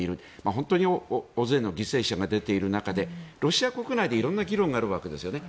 本当に大勢の犠牲者が出ている中でロシア国内で色んな議論があるわけですよね。